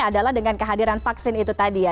adalah dengan kehadiran vaksin itu tadi ya